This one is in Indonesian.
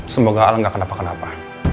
semoga allah gak kenapa kenapa